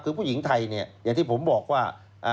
คือผู้หญิงไทยเนี่ยอย่างที่ผมบอกว่า